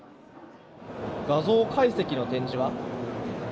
画像解析の展示は。